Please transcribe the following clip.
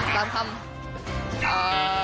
สามคำ